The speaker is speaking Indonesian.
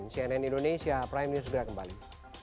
cnn indonesia prime news segera kembali